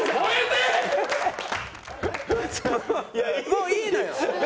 もういいのよ。